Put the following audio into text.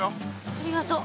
ありがとう。